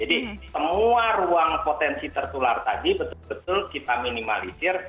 jadi semua ruang potensi tertular tadi betul betul kita mencari